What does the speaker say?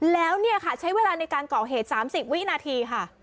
แล้วนี่ค่ะใช้เวลาในการเกาะเหตุสามสิบวินาทีค่ะ